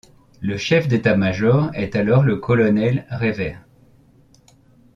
Le chef d'état-major est alors le colonel Revers.